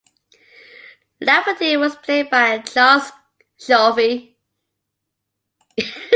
Laverty was played by Charles Cioffi.